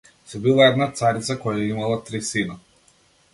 Си била една царица која имала три сина.